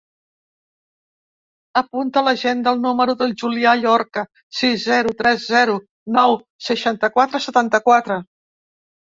Apunta a l'agenda el número del Julià Llorca: sis, zero, tres, zero, nou, seixanta-quatre, setanta-quatre.